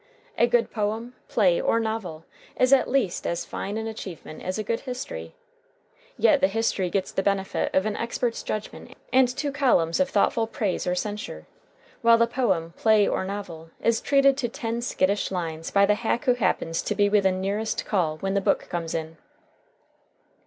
... A good poem, play, or novel is at least as fine an achievement as a good history; yet the history gets the benefit of an expert's judgment and two columns of thoughtful pimse or censure, while the poem, play, or novel is treated to ten skittish lines by the hack who happens to be within nearest call when the book comes in."